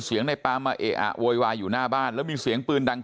ในปามมาเอะอะโวยวายอยู่หน้าบ้านแล้วมีเสียงปืนดัง